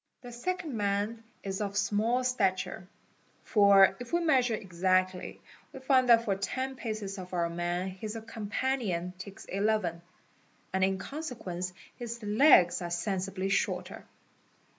The second man is of 'small stature; for, if we measure exactly, we find that for ten paces of : 2 : i ; 4 | g : 4 ' EY a our man his companion takes.eleven, and in consequence his legs are sensibly shorter.